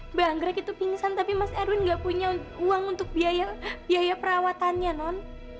mbak anggrek itu pingsan tapi mas erwin nggak punya uang untuk biaya perawatannya non